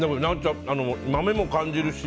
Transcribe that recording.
豆も感じるし。